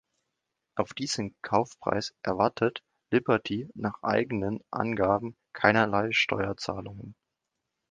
Auf diesen Kaufpreis erwartet Liberty nach eigenen Angaben keinerlei Steuerzahlungen.